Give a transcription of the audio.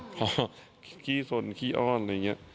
พอขี้สนขี้อ้อนอะไรอย่างนี้